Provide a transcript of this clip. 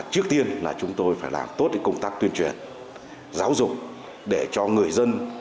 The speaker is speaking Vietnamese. trước tiên là chúng tôi phải làm tốt công tác tuyên truyền giáo dục để cho người dân